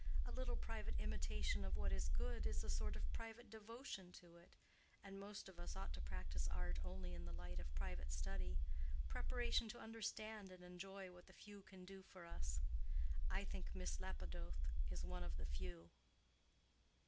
A little private imitation of what is good is a sort of private devotion to it, and most of us ought to practice art only in the light of private study—preparation to understand and enjoy what the few can do for us. I think Miss Lapidoth is one of the few."